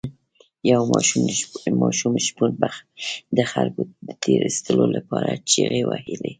یو ماشوم شپون به د خلکو د تیر ایستلو لپاره چیغې وهلې.